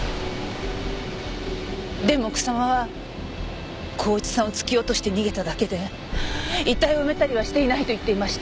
でも草間は孝一さんを突き落として逃げただけで遺体を埋めたりはしていないと言っていました。